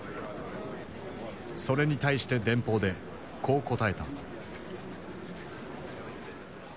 それに対して電報でこう答えた。